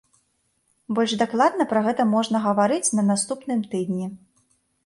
Больш дакладна пра гэта можна гаварыць на наступным тыдні.